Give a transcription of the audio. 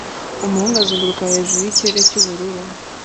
Umuhungu azunguruka hejuru yikirere cyubururu